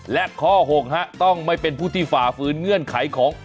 และข้อ๖ต้องไม่เป็นผู้ที่ฝ่าฝืนเงื่อนไขของ